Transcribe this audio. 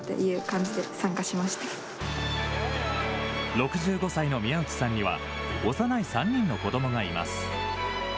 ６５歳の宮内さんには幼い３人の子どもがいます。